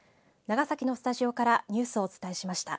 長崎のスタジオからニュースをお伝えしました。